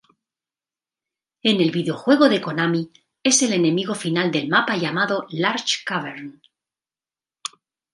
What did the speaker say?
En el videojuego de Konami, es el enemigo final del mapa llamado "Large Cavern".